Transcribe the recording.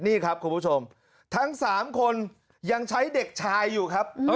นี่ครับคุณผู้ชมทั้ง๓คนยังใช้เด็กชายอยู่ครับ